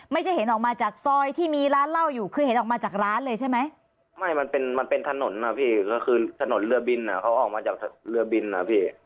ไม่มันเป็นถนนอะพี่ก็คือถนนเรือบินอะเขาออกมาจากเรือบินอะพี่